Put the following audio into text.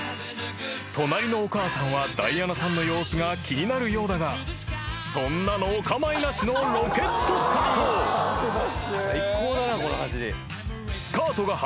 ［隣のお母さんはダイアナさんの様子が気になるようだがそんなのお構いなしのロケットスタート］